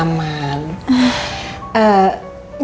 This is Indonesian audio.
mama nganterin ya